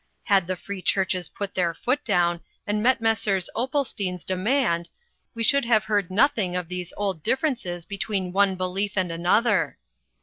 Had the Free Churches put their foot down and met Messrs. Opalstein's demand, we should have heard nothing of these old differences between one belief and another."